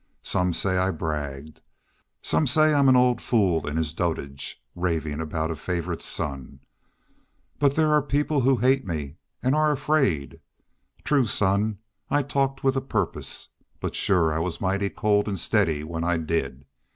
Some say I bragged. Some say I'm an old fool in his dotage, ravin' aboot a favorite son. But they are people who hate me an' are afraid. True, son, I talked with a purpose, but shore I was mighty cold an' steady when I did it.